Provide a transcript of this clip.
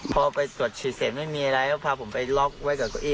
พอไปตรวจฉีดเสร็จไม่มีอะไรก็พาผมไปล็อกไว้กับเก้าอี